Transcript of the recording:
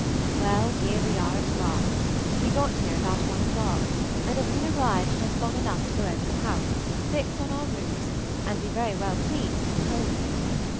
Well, here we are at Bath; we got here about one o'clock, and have been arrived just long enough to go over the house, fix on our rooms, and be very well pleased with the whole of it.